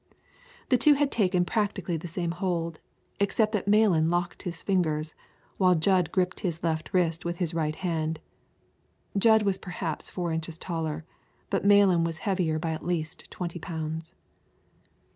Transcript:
The two had taken practically the same hold, except that Malan locked his fingers, while Jud gripped his left wrist with his right hand. Jud was perhaps four inches taller, but Malan was heavier by at least twenty pounds.